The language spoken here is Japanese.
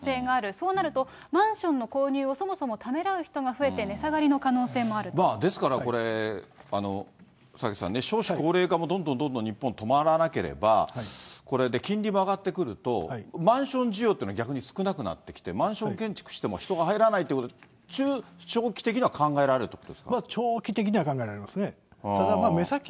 そうなると、マンションの購入をそもそもためらう人が増えて、ですからこれ、榊さんね、少子高齢化もどんどんどんどん日本、止まらなければ、これで金利も上がってくると、マンション需要というのは逆に少なくなってきて、マンション建築しても人が入らないという、中長期的には考えられ長期的には考えられますね。